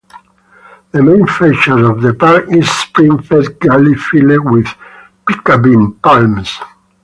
The main feature of the park is spring-fed gully filled with piccabeen palms.